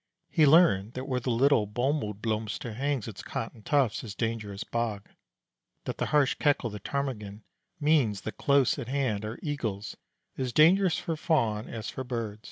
He learned that where the little Bomuldblomster hangs its Cotton tufts is dangerous bog; that the harsh cackle of the Ptarmigan means that close at hand are Eagles, as dangerous for Fawn as for Bird.